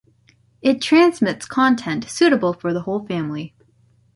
It transmits content suitable for the whole family.